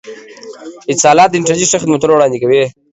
اتصالات د انترنت ښه خدمتونه وړاندې کوي.